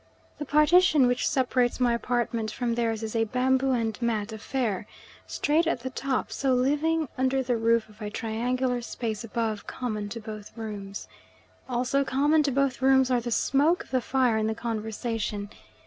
The partition which separates my apartment from theirs is a bamboo and mat affair, straight at the top so leaving under the roof a triangular space above common to both rooms. Also common to both rooms are the smoke of the fire and the conversation.